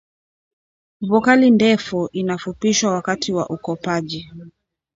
vokali ndefu inafupishwa wakati wa ukopaji